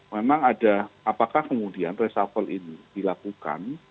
memang ada apakah kemudian reshuffle ini dilakukan